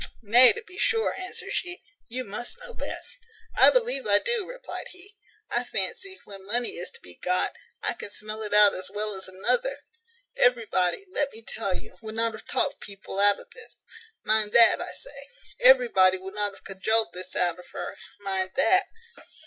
"Nay, to be sure," answered she, "you must know best." "I believe I do," replied he. "I fancy, when money is to be got, I can smell it out as well as another. Everybody, let me tell you, would not have talked people out of this. Mind that, I say; everybody would not have cajoled this out of her, mind that."